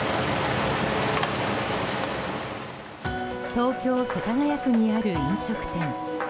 東京・世田谷区にある飲食店。